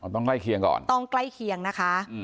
ใกล้เคียงก่อนต้องใกล้เคียงนะคะ